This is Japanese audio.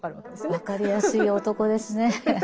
分かりやすい男ですね。